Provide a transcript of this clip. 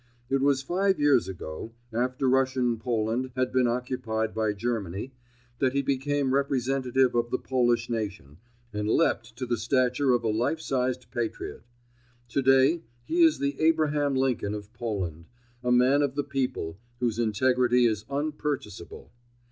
It was five years ago, after Russian Poland had been occupied by Germany, that he became representative of the Polish nation and leapt to the stature of a life sized patriot. Today he is the Abraham Lincoln of Poland, a man of the people whose integrity is unpurchaseable.